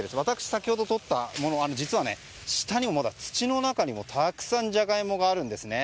先ほど私がとったもの、下にもまだ土の中にもたくさんジャガイモがあるんですね。